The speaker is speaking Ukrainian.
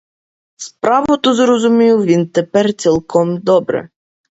Справу ту зрозумів він тепер цілком добре.